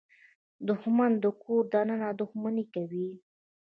دښمن د کور دننه دښمني کوي